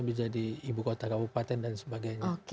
menjadi ibu kota kabupaten dan sebagainya